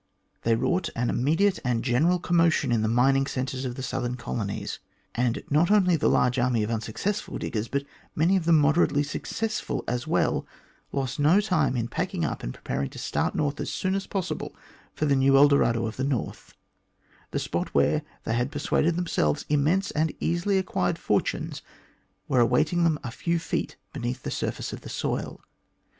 They wrought an 94 THE GLADSTONE COLONY immediate and general commotion in the mining centres of the southern colonies, and not only the large army of unsuccessful diggers, but many of the moderately successful as well, lost no time in packing up and preparing to start as soon as possible for the new El Dorado of the North, the spot where, they had persuaded themselves, immense and easily acquired fortunes were awaiting them a few feet beneath the surface of the soil.